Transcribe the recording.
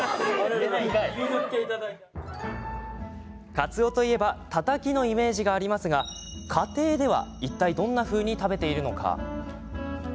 かつおといえばたたきのイメージがありますが家庭では、いったいどんなふうに食べているのか。